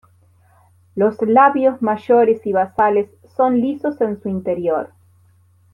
Los labios mayores y basales son lisos en su interior.